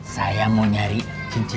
saya menyetel di nasi